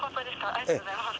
ありがとうございます」